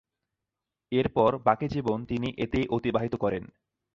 এরপর বাকি জীবন তিনি এতেই অতিবাহিত করেন।